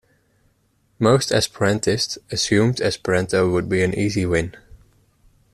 Most Esperantists assumed Esperanto would be an easy win.